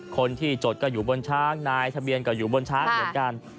คนที่จดก็อยู่บนช้างนายทะเบียนก็อยู่บนช้างเหมือนกัน